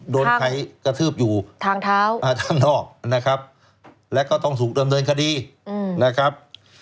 โดนใครกระทืบอยู่ทางนอกนะครับและก็ต้องถูกเริ่มเดินคดีนะครับ